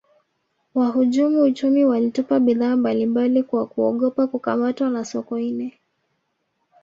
wahujumu uchumi walitupa bidhaa mbali mbali kwa kuogopa kukamatwa na sokoine